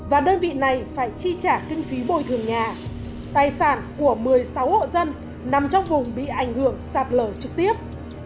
và đơn vị này phải chi trả kinh phí bồi thường nhà tài sản của một mươi sáu hộ dân nằm trong vùng bị ảnh hưởng sạt lở trực tiếp